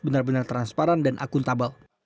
benar benar transparan dan akuntabel